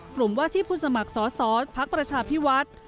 กลุ่มว่าที่ผู้สมัครสอดพักประชาพิวัตร